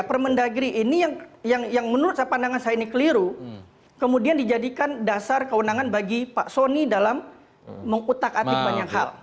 permendagri ini yang menurut pandangan saya ini keliru kemudian dijadikan dasar kewenangan bagi pak soni dalam mengutak atik banyak hal